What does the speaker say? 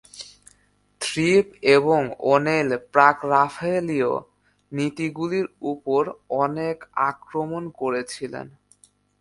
Frith এবং O'Neill প্রাক-রাফায়েলীয় নীতিগুলির উপর অনেক আক্রমণ করেছিলেন।